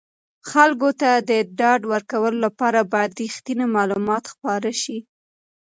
خلکو ته د ډاډ ورکولو لپاره باید رښتیني معلومات خپاره شي.